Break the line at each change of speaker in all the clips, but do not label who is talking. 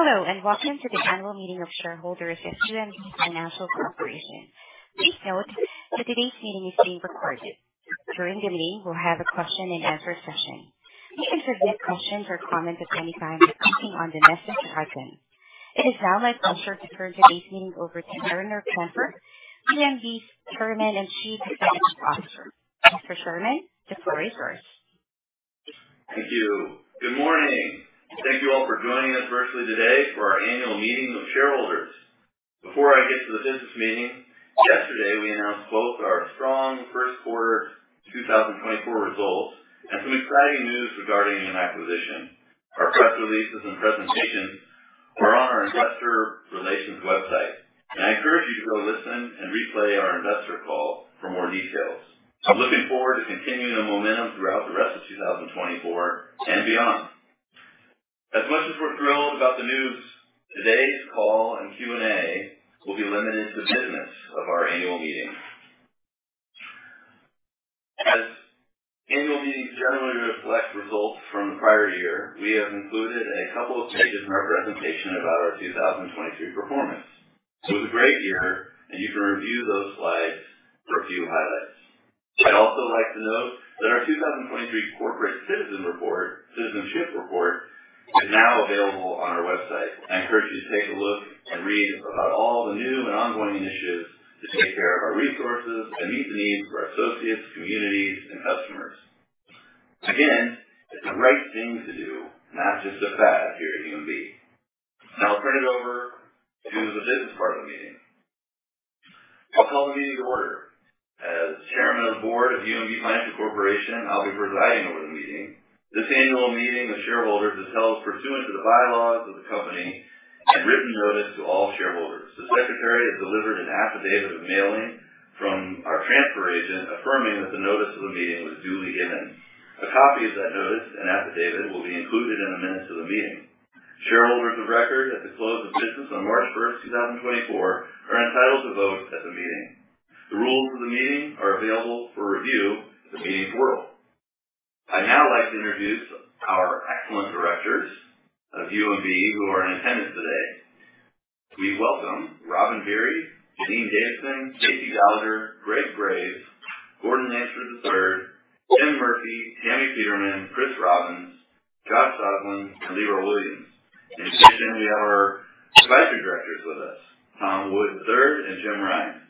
Hello, and welcome to the annual meeting of shareholders at UMB Financial Corporation. Please note that today's meeting is being recorded. During the meeting, we'll have a question-and-answer session. You can submit questions or comments at any time by clicking on the message icon. It is now my pleasure to turn today's meeting over to Mariner Kemper, UMB's Chairman and Chief Executive Officer. Mr. Kemper, the floor is yours.
Thank you. Good morning. Thank you all for joining us virtually today for our annual meeting of shareholders. Before I get to the business meeting, yesterday, we announced both our strong first quarter 2024 results and some exciting news regarding an acquisition. Our press releases and presentations are on our investor relations website, and I encourage you to go listen and replay our investor call for more details. I'm looking forward to continuing the momentum throughout the rest of 2024 and beyond. As much as we're thrilled about the news, today's call and Q and A will be limited to the business of our annual meeting. As annual meetings generally reflect results from the prior year, we have included a couple of pages in our presentation about our 2022 performance. It was a great year, and you can review those slides for a few highlights. I'd also like to note that our 2023 Corporate Citizenship Report is now available on our website. I encourage you to take a look and read about all the new and ongoing initiatives to take care of our resources and meet the needs of our associates, communities, and customers. Again, it's the right thing to do, not just a fad here at UMB. Now I'll turn it over to the business part of the meeting. I'll call the meeting to order. As Chairman of the Board of UMB Financial Corporation, I'll be presiding over the meeting. This annual meeting of shareholders is held pursuant to the bylaws of the company and written notice to all shareholders. The secretary has delivered an affidavit of mailing from our transfer agent, affirming that the notice of the meeting was duly given. A copy of that notice and affidavit will be included in the minutes of the meeting. Shareholders of record at the close of business on March first, 2024, are entitled to vote at the meeting. The rules of the meeting are available for review at the meeting's portal. I'd now like to introduce our excellent directors of UMB, who are in attendance today. We welcome Robin Beery, Janine Davidson, Kevin Gallagher, Greg Graves, Gordon Lansford III, Tim Murphy, Tammy Peterman, Kris Robbins, Josh Sosland, and Leroy Williams. In addition, we have our advisory directors with us, Tom Wood III and Jim Rine.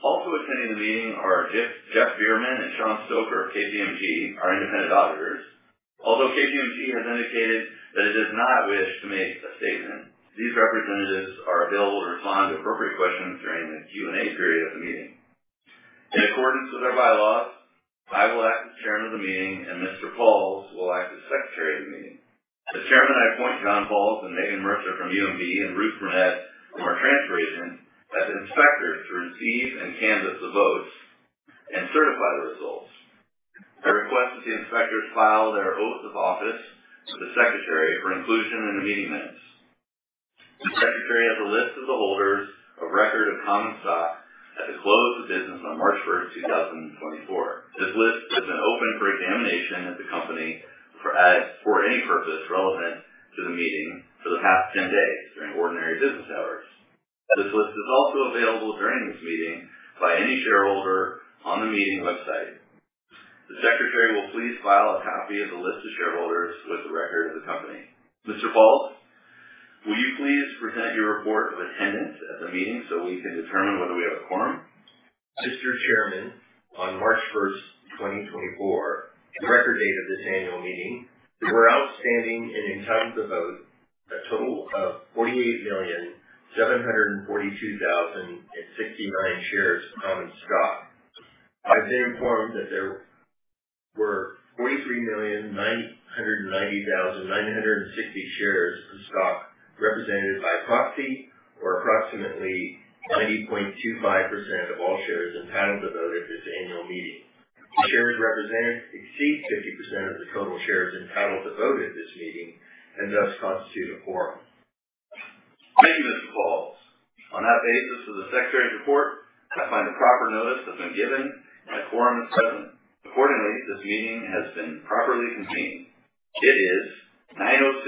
Also attending the meeting are Jeff Bierman and Sean Stoker of KPMG, our independent auditors. Although KPMG has indicated that it does not wish to make a statement, these representatives are available to respond to appropriate questions during the Q and A period of the meeting. In accordance with our bylaws, I will act as chairman of the meeting, and Mr. Pauls will act as secretary of the meeting. As chairman, I appoint John Pauls and Megan Mercer from UMB and Ruth Burnett from our transfer agent as inspectors to receive and canvass the votes and certify the results. I request that the inspectors file their oaths of office with the secretary for inclusion in the meeting minutes. The secretary has a list of the holders of record of common stock at the close of business on March 1, 2024. This list has been open for examination at the company for any purpose relevant to the meeting for the past 10 days, during ordinary business hours. This list is also available during this meeting by any shareholder on the meeting website. The secretary will please file a copy of the list of shareholders with the record of the company. Mr. Pauls, will you please present your report of attendance at the meeting so we can determine whether we have a quorum?
Mr. Chairman, on March 1, 2024, the record date of this annual meeting, there were outstanding and entitled to vote, a total of 48,742,069 shares of common stock. I've been informed that there were 43,990,960 shares of stock represented by proxy, or approximately 90.25% of all shares entitled to vote at this annual meeting. Shares represented exceeds 50% of the total shares entitled to vote at this meeting, and thus constitute a quorum.
Thank you, Mr. Pauls. On that basis of the secretary's report, I find the proper notice has been given, and a quorum is present. Accordingly, this meeting has been properly convened. It is 9:06 A.M.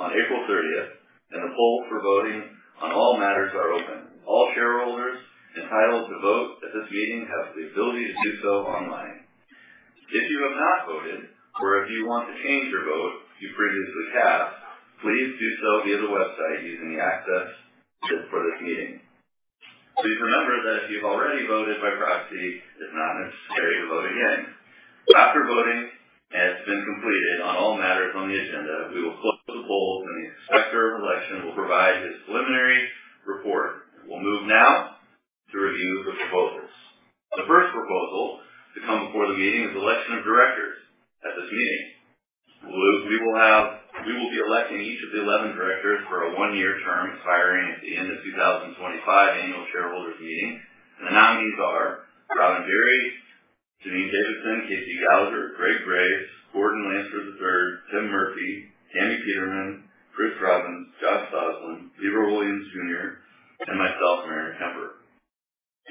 on April 30th, and the poll for voting on all matters are open. All shareholders entitled to vote at this meeting have the ability to do so online. If you have not voted, or if you want to change your vote you previously cast, please do so via the website using the access just for this meeting. Please remember that if you've already voted by proxy, it's not necessary to vote again. After voting has been completed on all matters on the agenda, we will close the polls, and the inspector of election will provide his preliminary report. We'll move now to review the proposals. The first proposal to come before the meeting is election of directors at this meeting. We will be electing each of the 11 directors for a one-year term, expiring at the end of 2025 annual shareholders meeting. The nominees are Robin Beery, Janine Davidson, Kevin Gallagher, Greg Graves, Gordon Lansford III, Tim Murphy, Tammy Peterman, Kris Robbins, Josh Sosland, Leroy Williams Jr., and myself, Mariner Kemper.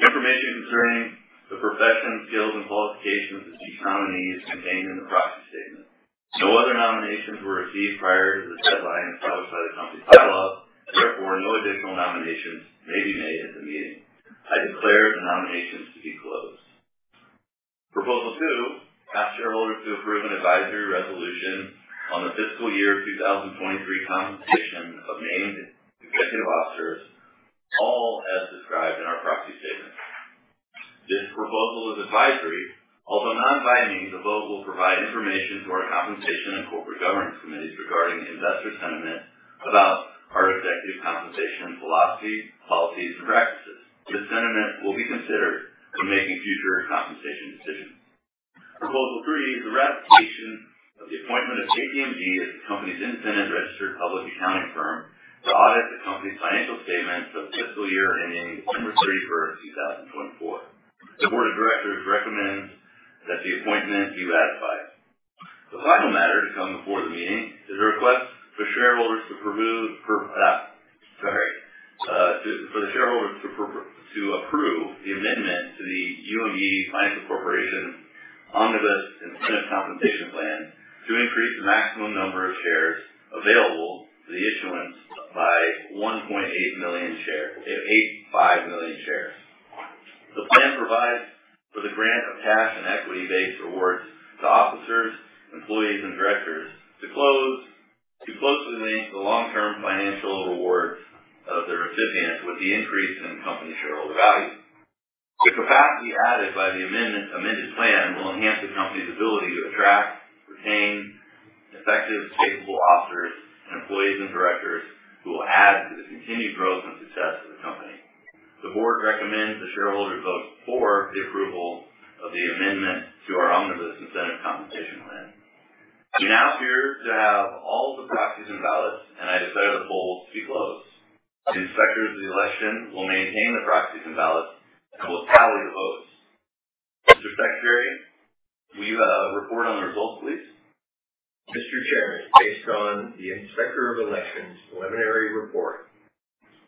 Information concerning the profession, skills, and qualifications of the key nominees is contained in the proxy statement. No other nominations were received prior to the deadline established by the company's bylaws. Therefore, no additional nominations may be made at the meeting. I declare the nominations to be closed. Proposal two, ask shareholders to approve an advisory resolution on the fiscal year 2023 compensation of named executive officers, all as described in our proxy statement. This proposal is advisory. Although non-binding, the vote will provide information to our Compensation and Corporate Governance Committees regarding investor sentiment about our executive compensation philosophy, policies, and practices. This sentiment will be considered when making future compensation decisions. Proposal three is the ratification of the appointment of KPMG as the company's independent registered public accounting firm to audit the company's financial statements of fiscal year ending December 31, 2024. The board of directors recommends that the appointment be ratified. The final matter to come before the meeting is a request for shareholders to approve the amendment to the UMB Financial Corporation Omnibus Incentive Compensation Plan to increase the maximum number of shares available for the issuance by 1.8 million shares, to 85 million shares. The plan provides for the grant of cash and equity-based rewards to officers, employees, and directors to closely link the long-term financial rewards of the recipient with the increase in company shareholder value. The capacity added by the amendment, amended plan will enhance the company's ability to attract, retain effective, capable officers and employees and directors who will add to the continued growth and success of the company. The Board recommends the shareholder vote for the approval of the amendment to our Omnibus Incentive Compensation Plan. We now appear to have all the proxies and ballots, and I declare the poll to be closed. The Inspector of the election will maintain the proxies and ballots and will tally the votes. Mr. Secretary, will you report on the results, please?
Mr. Chairman, based on the Inspector of Elections preliminary report,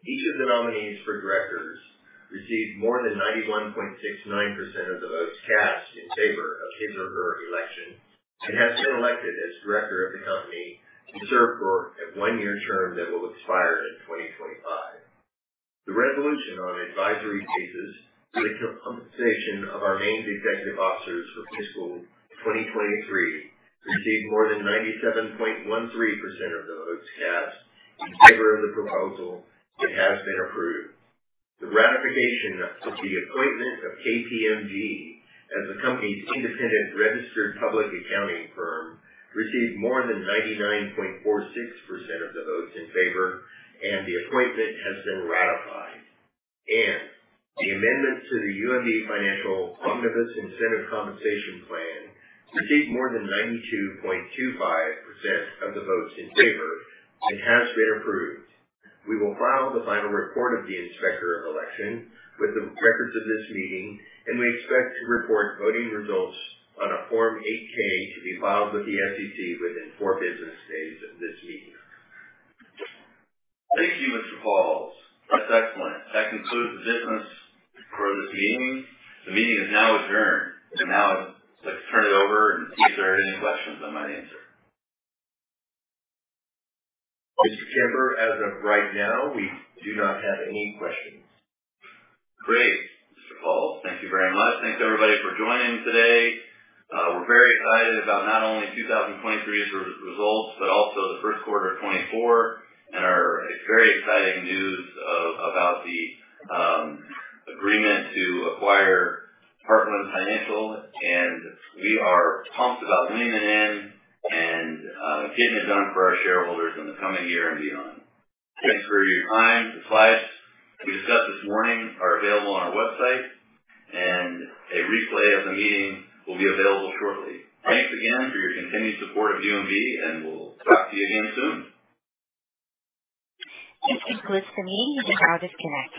each of the nominees for directors received more than 91.69% of the votes cast in favor of his or her election, and has been elected as director of the company to serve for a 1-year term that will expire in 2025. The resolution on advisory basis for the compensation of our main executive officers for fiscal 2023 received more than 97.13% of the votes cast in favor of the proposal and has been approved. The ratification of the appointment of KPMG as the company's independent registered public accounting firm received more than 99.46% of the votes in favor, and the appointment has been ratified. The amendments to the UMB Financial Omnibus Incentive Compensation Plan received more than 92.25% of the votes in favor and has been approved. We will file the final report of the Inspector of Election with the records of this meeting, and we expect to report voting results on a Form 8-K to be filed with the SEC within four business days of this meeting.
Thank you, Mr. Pauls. That's excellent. That concludes the business for this meeting. The meeting is now adjourned. Now I'd like to turn it over and see if there are any questions I might answer.
Mr. Kimper, as of right now, we do not have any questions.
Great, Mr. Pauls. Thank you very much. Thanks, everybody, for joining today. We're very excited about not only 2023's results, but also the first quarter of 2024 and our very exciting news about the agreement to acquire Heartland Financial. We are pumped about leaning it in and getting it done for our shareholders in the coming year and beyond. Thanks for your time. The slides we discussed this morning are available on our website, and a replay of the meeting will be available shortly. Thanks again for your continued support of UMB, and we'll talk to you again soon.
This concludes the meeting. You may now disconnect.